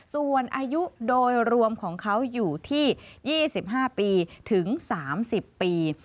ส่วนอายุโดยรวมของเขาอยู่ที่๒๕ปีถึง๓๐ปี